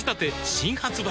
新発売